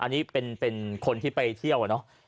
อันนี้เป็นคนที่ไปเที่ยวอะเนาะ